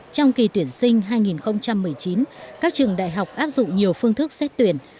trong kỳ tuyển sinh hai nghìn một mươi chín các trường đại học áp dụng nhiều phương thức xét tuyển